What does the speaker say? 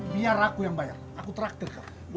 biar aku yang bayar aku traktirkan